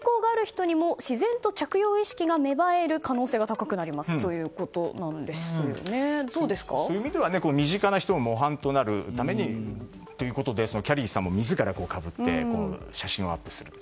抵抗がある人にも自然と着用意識が芽生える可能性が高くなるそういう意味では身近な人の模範となるためにということできゃりーさんも自らかぶって写真をアップする。